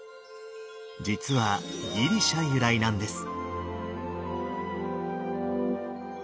実はギリシャ由来なんです。